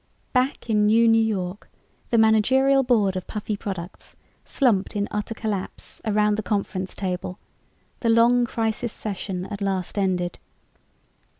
Back in NewNew York, the managerial board of Puffy Products slumped in utter collapse around the conference table, the long crisis session at last ended.